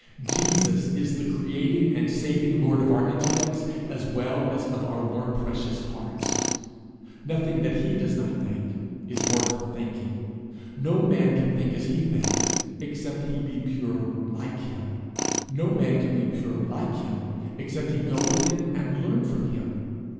Jesus is the creating and saving lord of our intellects as well as of our more precious hearts; nothing that he does not think, is worth thinking; no man can think as he thinks, except he be pure like him; no man can be pure like him, except he go with him, and learn from him.